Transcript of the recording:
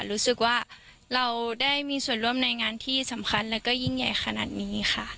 รู้สึกว่าเราได้มีส่วนร่วมในงานที่สำคัญแล้วก็ยิ่งใหญ่ขนาดนี้ค่ะ